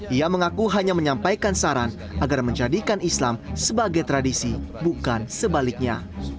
ia mengaku hanya menyampaikan saran agar menjadikan islam sebagai tradisi bukan sebaliknya